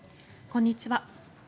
こんにちは。